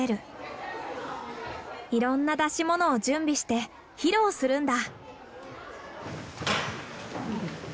いろんな出し物を準備して披露するんだ。